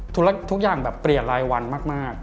ทุกอย่างแบบเปลี่ยนรายวันมาก